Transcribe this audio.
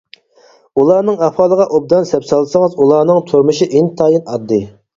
ئۇلارنىڭ ئەھۋالىغا ئوبدان سەپ سالسىڭىز، ئۇلارنىڭ تۇرمۇشى ئىنتايىن ئاددىي.